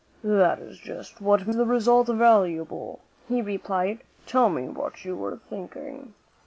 "That is just what makes the result valuable," he replied. "Tell me what you were thinking."